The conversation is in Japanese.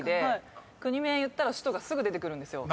国名言ったら首都がすぐ出てくるんですよ。